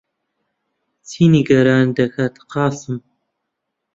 چی نیگەرانت دەکات، قاسم؟